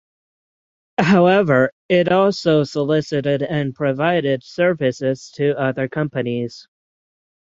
However, it also solicited and provided services to other companies.